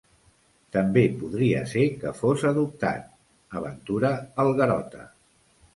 També podria ser que fos adoptat —aventura el Garota.